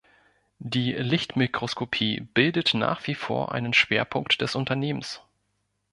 Die Lichtmikroskopie bildet nach wie vor einen Schwerpunkt des Unternehmens.